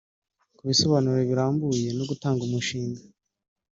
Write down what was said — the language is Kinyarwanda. Ku bisobanuro birambuye no gutanga umushinga